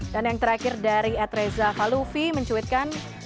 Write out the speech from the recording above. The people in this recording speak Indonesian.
dan yang terakhir dari edreza falufi mencuitkan